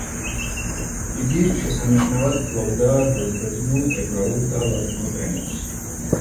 იგი შესანიშნავად ფლობდა ძველბერძნულ, ებრაულ და ლათინურ ენებს.